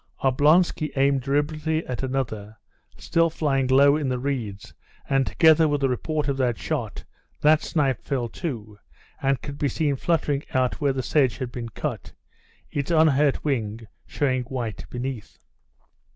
Oblonsky aimed deliberately at another, still flying low in the reeds, and together with the report of the shot, that snipe too fell, and it could be seen fluttering out where the sedge had been cut, its unhurt wing showing white beneath.